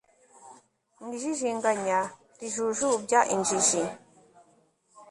mu ijijinganya rijujubya injiji